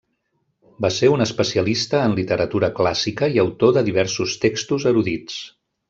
Va ser un especialista en literatura clàssica i autor de diversos textos erudits.